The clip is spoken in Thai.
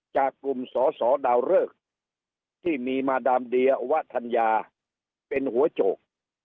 จากกลุ่มสอสอดาวเริกที่มีมาดามเดียววะธัญญาเป็นหัวโจก